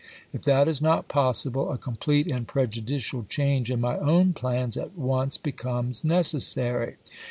If that is not possible a complete and prejudicial change in my own plans at once be comes necessary.